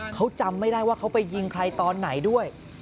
เขาจำไม่ได้ว่าเขาไปยิงใครตอนไหนด้วย